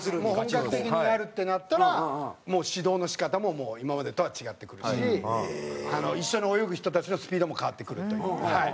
本格的にやるってなったらもう指導の仕方も今までとは違ってくるし一緒に泳ぐ人たちのスピードも変わってくるというはい。